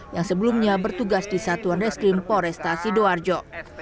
yang sebelumnya bertugas di satuan reskrim poresta sidoarjo